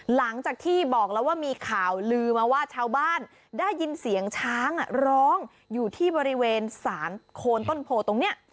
หลังจากที่บอกแล้วว่ามีข่าวลือมาว่าชาวบ้านได้ยินเสียงช้างร้องอยู่ที่บริเวณสารโคนต้นโพตรงนี้